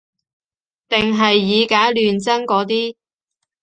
定係以假亂真嗰啲